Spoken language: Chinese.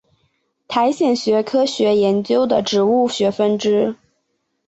苔藓学科学研究的植物学分支。